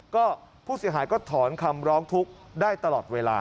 ก็ผู้เสียหายก็ถอนคำร้องทุกข์ได้ตลอดเวลา